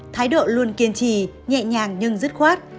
thái độ luôn kiên trì nhẹ nhàng nhưng dứt khoát